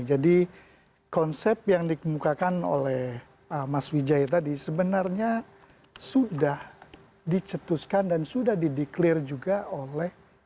jadi konsep yang dikemukakan oleh mas wijay tadi sebenarnya sudah dicetuskan dan sudah di declare juga oleh